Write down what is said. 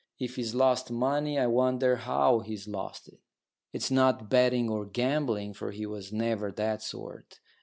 If he's lost money, I wonder how he's lost it. It's not betting or gambling, for he was never that sort.